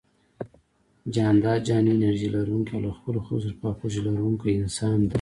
جانداد جهاني انرژي لرونکی او له خپلو خلکو سره خواخوږي لرونکی انسان دی